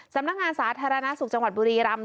สำนักงานสาธารณสุขจังหวัดบุรีรำ